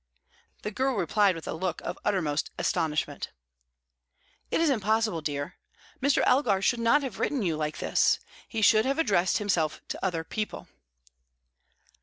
The girl replied with a look of uttermost astonishment. "It is impossible, dear. Mr. Elgar should not have written to you like this. He should have addressed himself to other people."